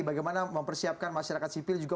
bagaimana mempersiapkan masyarakat sipil juga